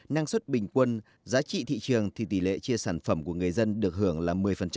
năng suất bình quân giá trị thị trường thì tỷ lệ chia sản phẩm của người dân được hưởng là một mươi